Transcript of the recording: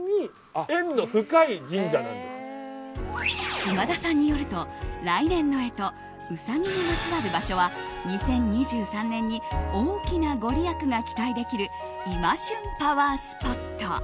島田さんによると、来年の干支うさぎにまつわる場所は２０２３年に大きなご利益が期待できる今旬パワースポット。